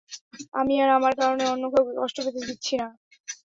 আমি আর আমার কারণে অন্য কাউকে কষ্ট পেতে দিচ্ছি না।